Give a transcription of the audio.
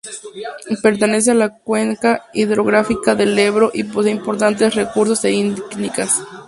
Pertenece a la cuenca hidrográfica del Ebro y posee importantes recursos de icnitas.